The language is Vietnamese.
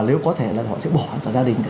nếu có thể là họ sẽ bỏ ra gia đình để